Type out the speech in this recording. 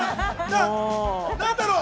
何だろう？